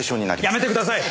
やめてください！